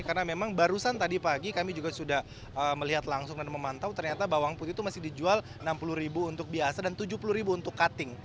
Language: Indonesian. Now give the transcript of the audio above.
karena memang barusan tadi pagi kami juga sudah melihat langsung dan memantau ternyata bawang putih itu masih dijual rp enam puluh untuk biasa dan rp tujuh puluh untuk cutting